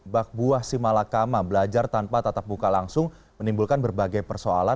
bak buah si malakama belajar tanpa tatap muka langsung menimbulkan berbagai persoalan